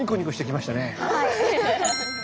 はい。